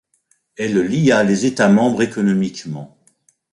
Elle lia les États membres économiquement.